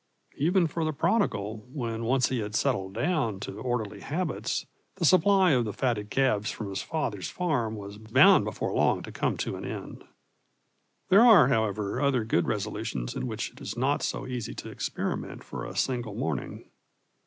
Even for the prodigal, when once he had settled down to orderly habits, the supply of the fatted calves from his father's farm was bound before long to come to an end. There are, however, other good resolutions in which it is not so easy to experiment for a single morning.